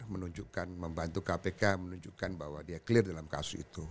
menunjukkan membantu kpk menunjukkan bahwa dia clear dalam kasus itu